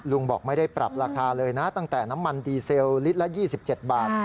บอกไม่ได้ปรับราคาเลยนะตั้งแต่น้ำมันดีเซลลิตรละ๒๗บาท